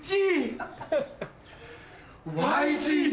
ＹＧ！